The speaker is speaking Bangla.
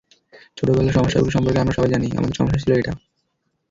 ছোটবেলার, সমস্যাগুলো সম্পর্কে আমরা সবাই জানি, আমাদের সমস্যা ছিল এটা।